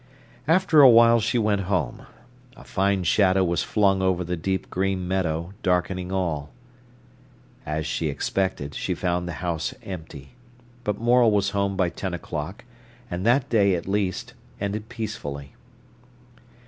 After a while she went home. A fine shadow was flung over the deep green meadow, darkening all. As she expected, she found the house empty. But Morel was home by ten o'clock, and that day, at least, ended peacefully.